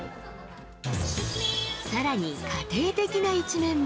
さらに家庭的な一面も。